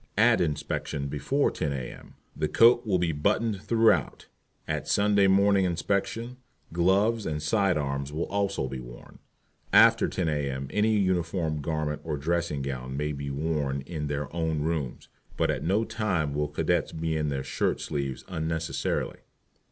at Inspection before 10 A.M. the coat will be buttoned throughout; at Sunday Morning Inspection gloves and side arms will also be worn. After 10 A.M. any uniform garment or dressing gown may be worn in their own rooms, but at no time will Cadets be in their shirt sleeves unnecessarily.